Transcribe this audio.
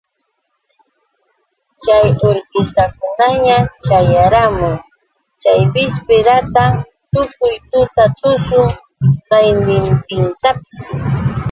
Chay urkistakunaña ćhayamun chay bispira ta tukuy tuta tushun qaynintintapis.